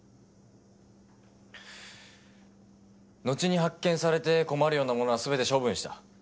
のちに発見されて困るようなものは全て処分した。